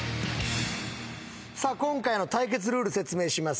今回の対決ルール説明します。